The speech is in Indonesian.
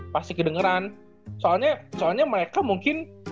pasti kedengeran soalnya soalnya mereka mungkin